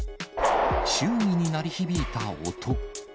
周囲に鳴り響いた音。